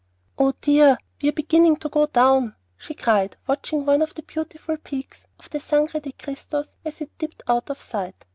"Oh dear! we are beginning to go down," she cried, watching one of the beautiful peaks of the Sangre de Cristos as it dipped out of sight.